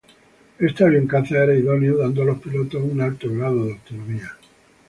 Este avión caza era idóneo, dando a los pilotos un alto grado de autonomía.